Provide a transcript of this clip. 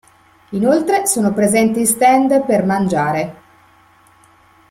Inoltre sono presenti stand per mangiare.